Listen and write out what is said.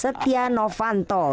setia vanto menerima pemberian dari kppi